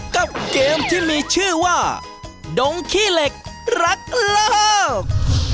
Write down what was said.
กับเกมที่มีชื่อว่าดงขี้เหล็กรักโลก